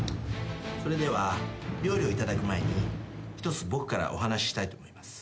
それでは料理をいただく前に一つ僕からお話ししたいと思います。